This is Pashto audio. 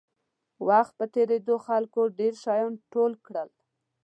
وخت په تېرېدو خلکو ډېر شیان ټول کړل.